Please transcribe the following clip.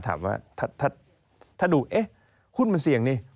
ถ้าดูเอ๊ะหุ้นมันเสี่ยงได้ที่